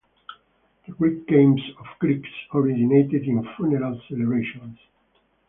The great games of Greece originated in funeral celebrations.